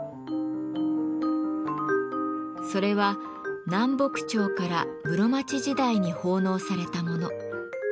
それは南北朝から室町時代に奉納されたもの。